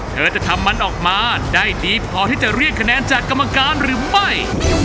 เธอจะทำมันได้ได้พอที่จะเรียกคะแนนจากกำจังหรือไม่